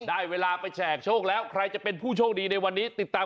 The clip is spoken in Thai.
ได้เวลาไปแฉกโชคแล้วใครจะเป็นผู้โชคดีในวันนี้ติดตาม